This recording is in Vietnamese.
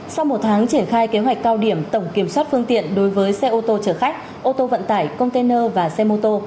sau một tháng triển khai kế hoạch cao điểm tổng kiểm soát phương tiện đối với xe ô tô chở khách ô tô vận tải container và xe mô tô